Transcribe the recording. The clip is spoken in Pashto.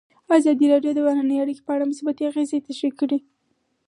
ازادي راډیو د بهرنۍ اړیکې په اړه مثبت اغېزې تشریح کړي.